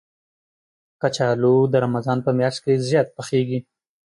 کچالو د رمضان په میاشت کې زیات پخېږي